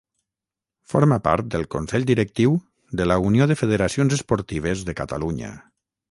Forma part del Consell Directiu de la Unió de Federacions Esportives de Catalunya.